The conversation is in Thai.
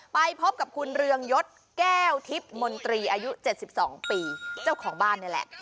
ไปพบกับคุณเรืองยศแก้วทิพย์มนตรีอายุ๗๒ปีเจ้าของบ้านนี่แหละ